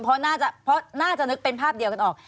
เพราะน่าจะนึกเป็นภาพเดียวกันออก